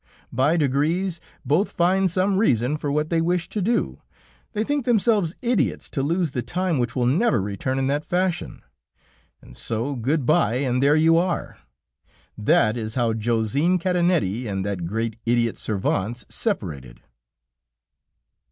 By degrees both find some reason for what they wished to do, they think themselves idiots to lose the time which will never return in that fashion, and so good bye, and there you are! That is how Josine Cadenette and that great idiot Servance separated."